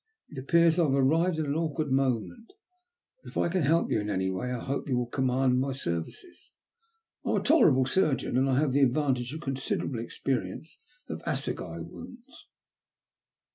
It appears I have arrived at an awkward moment, but if I can help you in any way I hope you will command my services. I am a tolerable surgeon, and I have the advantage of considerable experience of assegai wounds."